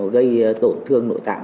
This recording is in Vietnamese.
gây tổn thương nội tạng